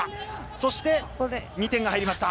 そして、２点が入りました。